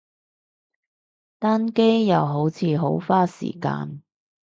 單機，又好似好花時間